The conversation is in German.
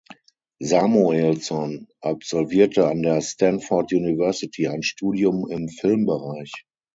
Samuelson absolvierte an der Stanford University ein Studium im Filmbereich.